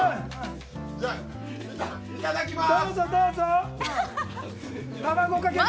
いただきます。